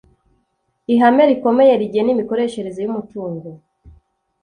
ihame rikomeye rigena imikoreshereze y’umutungo